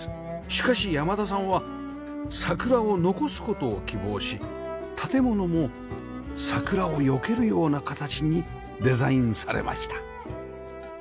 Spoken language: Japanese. しかし山田さんは桜を残す事を希望し建物も桜をよけるような形にデザインされました